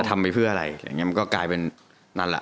ทำไปเพื่ออะไรอย่างเงี้มันก็กลายเป็นนั่นแหละ